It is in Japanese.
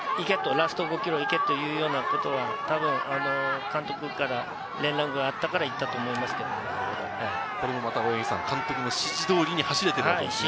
ラスト５ｋｍ行けというようなことはたぶん監督から連絡があったから行ったと思いま監督の指示通りに走れているということですね。